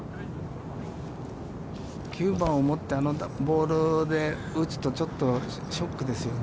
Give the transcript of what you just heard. ９番を持って、あのボールで打つとちょっとショックですよね。